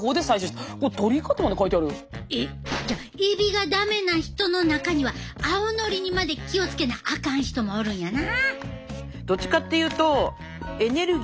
えっじゃあえびが駄目な人の中には青のりにまで気を付けなあかん人もおるんやな。